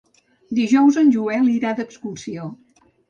Dijous en Joel irà d'excursió.